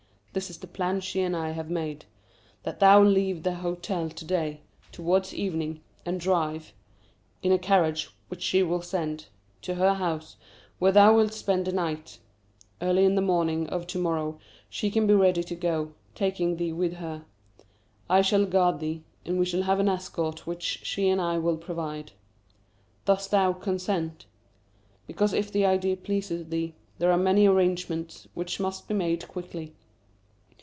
This is the plan she and I have made; that thou leave the hotel to day, towards evening, and drive (in a carriage which she will send) to her house, where thou wilt spend the night. Early in the morning of to morrow she can be ready to go, taking thee with her. I shall guard thee, and we shall have an escort which she and I will provide. Dost thou consent? Because if the idea pleases thee, there are many arrangements which must be made quickly.